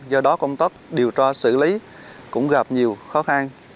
do đó công tóc điều tra xử lý cũng gặp nhiều khó khăn